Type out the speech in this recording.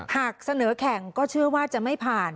หากเสนอแข่งก็เชื่อว่าจะไม่ผ่าน